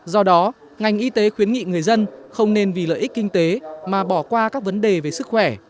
do đó ngành y tế khuyến nghị người dân không nên vì lợi ích kinh tế mà bỏ qua các vấn đề về sức khỏe